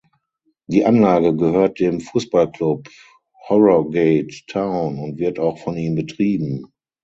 Die Anlage gehört dem Fußballclub Harrogate Town und wird auch von ihm betrieben.